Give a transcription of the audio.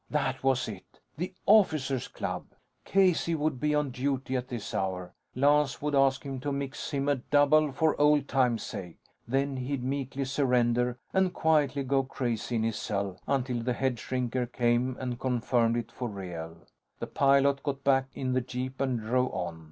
That was it! The Officers Club. Casey would be on duty at this hour. Lance would ask him to mix him a double for old times' sake. Then, he'd meekly surrender and quietly go crazy in his cell, until the headshrinker came and confirmed it for real. The pilot got back in the jeep and drove on.